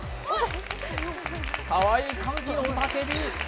かわいい歓喜の雄たけび。